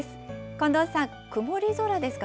近藤さん、曇り空ですか？